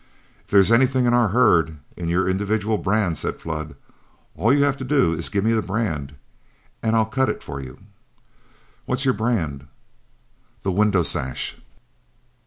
"If there's anything in our herd in your individual brand," said Flood, "all you have to do is to give me the brand, and I'll cut it for you. What's your brand?" "The 'Window Sash.'"